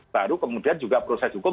baru kemudian juga proses hukum